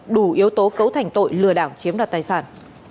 đủ yếu tố cấu thành tội lừa đảo chiếm đoạt tài sản